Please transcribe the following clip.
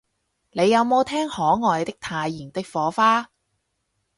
你有無聽可愛的太妍的火花